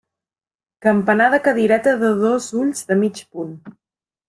Campanar de cadireta de dos ulls de mig punt.